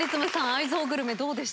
愛憎グルメどうでしたか？